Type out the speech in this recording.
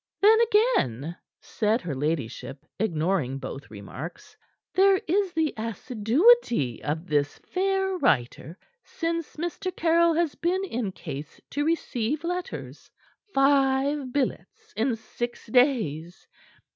"Then again," said her ladyship, ignoring both remarks, "there is the assiduity of this fair writer since Mr. Caryll has been in case to receive letters. Five billets in six days!